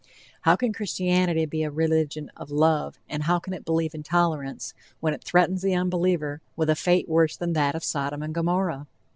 How can Christianity be a religion of love, and how can it believe in tolerance, when it threatens the unbeliever with a fate worse than that of Sodom and Gomorrah?